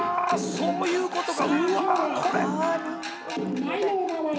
そういうことか。